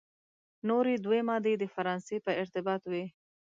نوري دوې مادې د فرانسې په ارتباط وې.